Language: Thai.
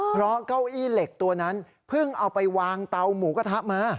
เพราะเก้าอี้เหล็กตัวนั้นเพิ่งเอาไปวางเตาหมูกระทะมา